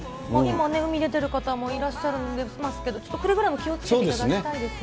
海出てる方、いらっしゃるんですけど、くれぐれもちょっとくれぐれも気をつけていただきたいですね。